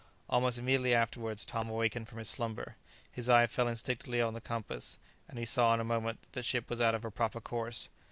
Almost immediately afterwards, Tom awakened from his slumber. His eye fell instinctively on the compass, and he saw in a moment that the ship was out of her proper course.